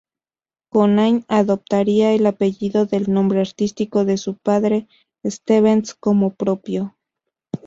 Connie adoptaría el apellido del nombre artístico de su padre, "Stevens", como propio.